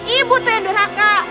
ibu tuh yang do'a raka